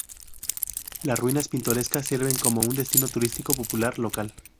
Las ruinas pintorescas sirven como un destino turístico popular local.